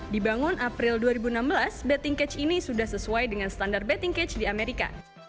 dibangun april dua ribu enam belas betting cage ini sudah sesuai dengan standar betting cage di amerika